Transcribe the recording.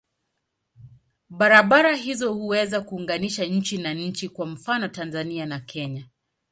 Barabara hizo huweza kuunganisha nchi na nchi, kwa mfano Tanzania na Kenya.